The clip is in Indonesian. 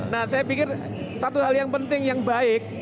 nah saya pikir satu hal yang penting yang baik